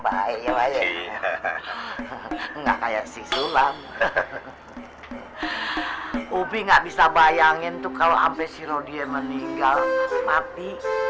baik enggak kayak si sulam ubi nggak bisa bayangin tuh kalau sampai siro dia meninggal mati